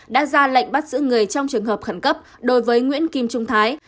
đã ra lệnh bắt giữ người trong trường hợp khẩn cấp đối với nguyễn kim trung thái